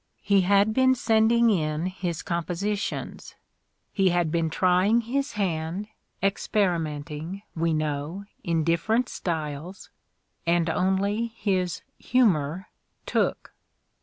He had been sending in his compositions; he had been trying his hand, ex perimenting, we know, in different styles, and only his humor "took."